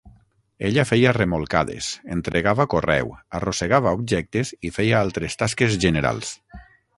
Ella feia remolcades, entregava correu, arrossegava objectes i feia altres tasques generals.